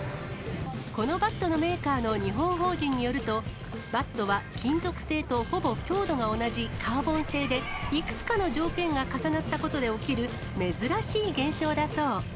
このバットのメーカーの日本法人によると、バットは金属製とほぼ強度が同じカーボン製で、いくつかの条件が重なったことで起きる珍しい現象だそう。